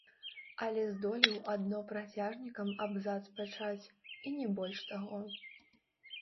Але здолеў адно працяжнікам абзац пачаць, і не больш таго.